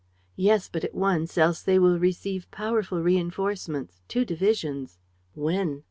"Yes, but at once, else they will receive powerful reinforcements, two divisions." "When?"